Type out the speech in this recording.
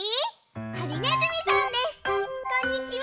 こんにちは。